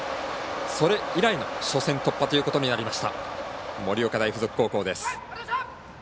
それ以来の初戦突破ということになりました盛岡大付属高校です。